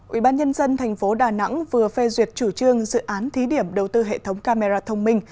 ubnd tp đà nẵng vừa phê duyệt chủ trương dự án thí điểm đầu tư hệ thống camera thông minh